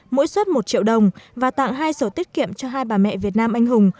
mỗi suất một triệu đồng và tặng hai sổ tiết kiệm cho hai bà mẹ việt nam anh hùng